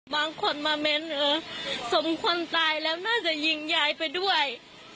บางคนมาเม้นเออสมควรตายแล้วน่าจะยิงยายไปด้วย